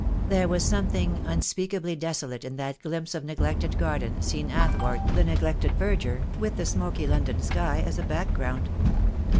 There was something unspeakably desolate in that glimpse of neglected garden seen athwart the neglected verdure, with the smoky London sky as a back ground.